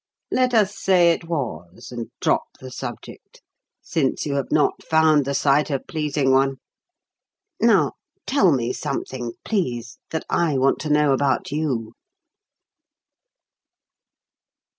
Let us say it was, and drop the subject, since you have not found the sight a pleasing one. Now tell me something, please, that I want to know about you."